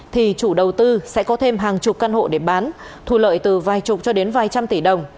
thì chủ đầu tư sẽ có thêm hàng chục căn hộ để bán thu lợi từ vài chục cho đến vài trăm tỷ đồng